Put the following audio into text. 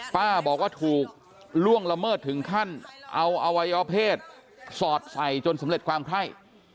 ป้าบอกว่าถูกล่วงละเมิดถึงขั้นเอาอวัยวเพศสอดใส่จนสำเร็จความไข้